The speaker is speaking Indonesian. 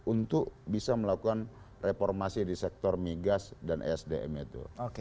untuk bisa melakukan reformasi di sektor migas dan esdm itu